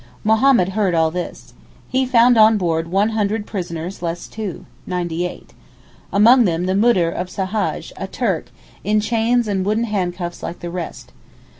Mohammed heard all this. He found on board 'one hundred prisoners less two' (ninety eight). Among them the Moudir of Souhaj, a Turk, in chains and wooden handcuffs like the rest.